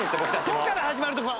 「と」から始まるとこ